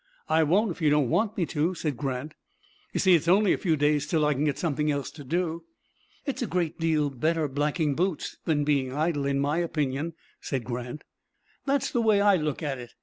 "I won't if you don't want me to," said Grant. "You see, it's only a few days till I can get something else to do." "It's a great deal better blacking boots than being idle, in my opinion," said Grant. "That's the way I look at it.